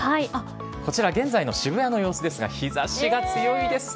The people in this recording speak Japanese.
こちら、現在の渋谷の様子ですが、日ざしが強いですね。